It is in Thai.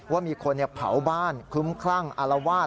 ว่ามีคนเนี่ยเผาบ้านคุ้มคลั่งอลวาด